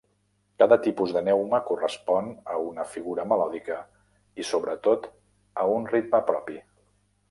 Cada tipus de neuma correspon a una figura melòdica i sobretot a un ritme propi.